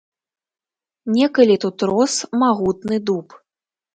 Некалі тут рос магутны дуб.